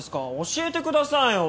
教えてくださいよ